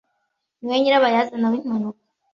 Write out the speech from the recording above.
Niwowe nyirabayazana w'impanuka.